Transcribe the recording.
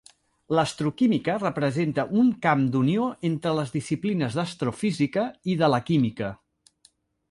L'astroquímica representa un camp d'unió entre les disciplines d'astrofísica i de la química.